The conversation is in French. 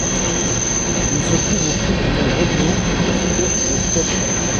Il se trouve au pied du mont Vodno, au sud-est de Skopje.